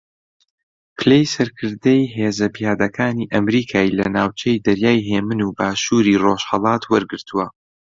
پلەی سەرکردەی ھێزە پیادەکانی ئەمریکای لە ناوچەی دەریای ھێمن و باشووری ڕۆژھەڵات وەرگرتووە